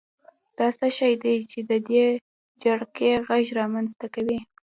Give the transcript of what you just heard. دا څه شی دی چې د دې جرقې غږ رامنځته کوي؟